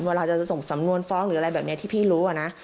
เวลาจะส่งสำนวนฟ้องหรืออะไรแบบนี้ที่พี่รู้นะ